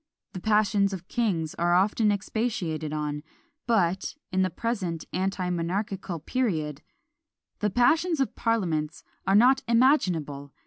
The passions of kings are often expatiated on; but, in the present anti monarchical period, the passions of parliaments are not imaginable!